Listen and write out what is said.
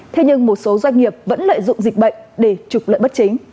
thế nhưng một số doanh nghiệp vẫn lợi dụng dịch bệnh để trục lợi bất chính